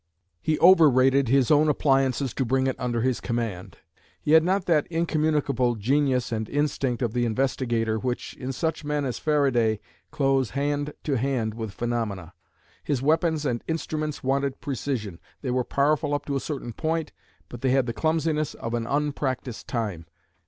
He overrated his own appliances to bring it under his command. He had not that incommunicable genius and instinct of the investigator which in such men as Faraday close hand to hand with phenomena. His weapons and instruments wanted precision; they were powerful up to a certain point, but they had the clumsiness of an unpractised time.